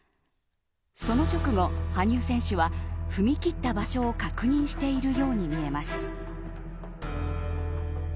その直後、羽生選手は踏み切った場所を確認しているように見えます。